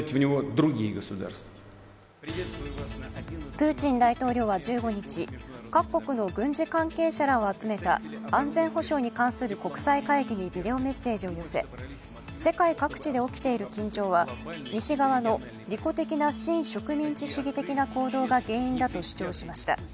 プーチン大統領は１５日、各国の軍事関係者らを集めた安全保障に関する国際会議にビデオメッセージを寄せ、世界各地で起きている緊張は西側の利己的な植民地主義的な行動が原因だと主張しました。